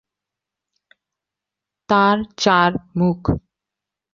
তার চার মুখ।